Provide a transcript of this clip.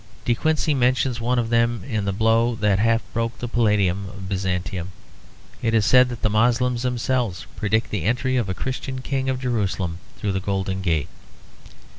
De Quincey mentions one of them in the blow that half broke the Palladium of Byzantium. It is said that the Moslems themselves predict the entry of a Christian king of Jerusalem through the Golden Gate.